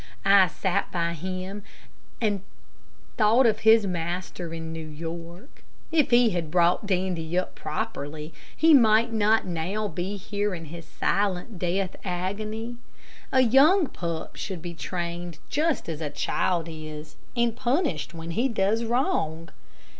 I sat by him and thought of his master in New York. If he had brought Dandy up properly he might not now be here in his silent death agony. A young pup should be trained just as a child is, and punished when he goes wrong.